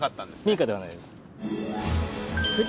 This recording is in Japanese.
民家ではないです。